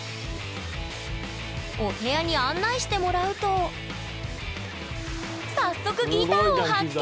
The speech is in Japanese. お部屋に案内してもらうと早速ギターを発見！